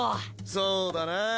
そうだな。